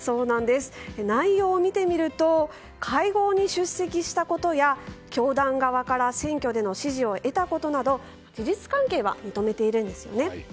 内容を見てみると会合に出席したことや教団側から選挙での支持を得たことなど事実関係は認めているんですよね。